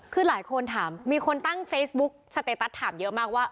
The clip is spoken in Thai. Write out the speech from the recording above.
คือหลายคนถามมีคนตั้งเฟซบุ๊กสเตตัสถามเยอะมากว่า